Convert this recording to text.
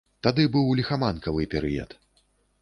Тады быў ліхаманкавы перыяд.